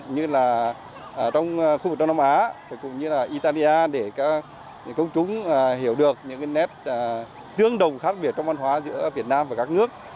như là ở trong khu vực đông nam á cũng như là italia để công chúng hiểu được những nét tương đồng khác biệt trong văn hóa giữa việt nam và các nước